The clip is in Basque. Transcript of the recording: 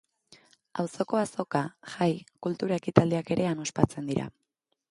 Auzoko azoka, jai, kultura ekitaldiak ere han ospatzen dira.